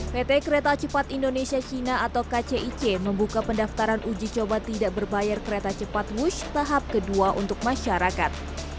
pt kereta cepat indonesia cina atau kcic membuka pendaftaran uji coba tidak berbayar kereta cepat wush tahap kedua untuk masyarakat